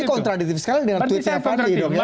jadi kontradiktif sekali dengan tweet nya pak jokowi